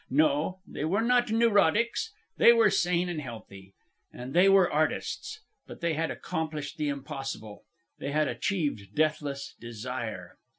No, they were not neurotics. They were sane and healthy, and they were artists. But they had accomplished the impossible. They had achieved deathless desire.